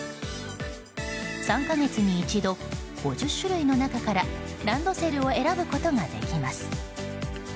３か月に一度、５０種類の中からランドセルを選ぶことができます。